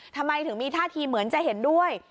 ทำไมถึงมีท่าทีเหมือนจะเห็นด้วย